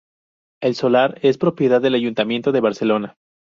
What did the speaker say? El solar es propiedad del Ayuntamiento de Barcelona.